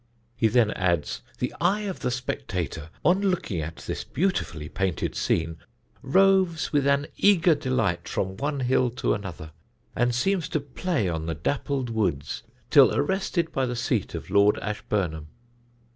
He then adds: "The eye of the spectator, on looking at this beautifully painted scene, roves with an eager delight from one hill to another, and seems to play on the dappled woods till arrested by the seat of Lord Ashburnham."